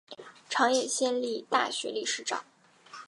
长野县立大学理事长。